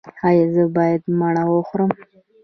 ایا زه باید مڼه وخورم؟